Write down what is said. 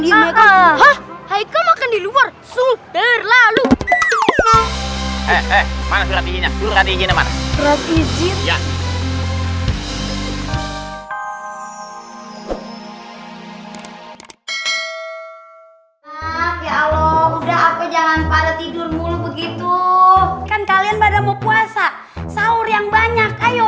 ya udah aku jangan pada tidur mulu begitu kan kalian pada mau puasa sahur yang banyak ayo